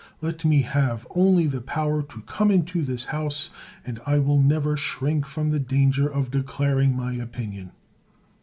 Let me have only the power to come into this house, and I will never shrink from the danger of declaring my opinion